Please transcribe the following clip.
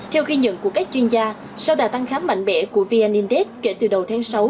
theo ghi nhận của các chuyên gia sau đà tăng khám mạnh mẽ của vn index kể từ đầu tháng sáu